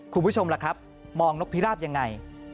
คุณผู้ชมล่ะครับมองนกพิราบยังไง